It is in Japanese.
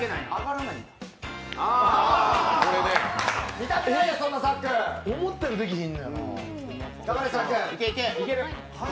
見たくないよ、そんなのさっくん思ったよりできひんのやな。